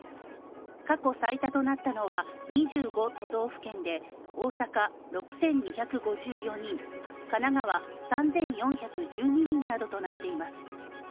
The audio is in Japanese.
過去最多となったのは、２５都道府県で大阪６２５４人神奈川３４１２人などとなっています。